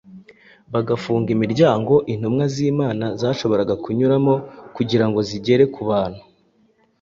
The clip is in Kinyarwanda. bagafunga imiryango intumwa z’Imana zashoboraga kunyuramo kugira ngo zigere ku bantu.